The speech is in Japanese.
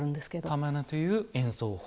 玉音という演奏法。